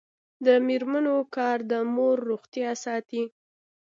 د میرمنو کار د مور روغتیا ساتي.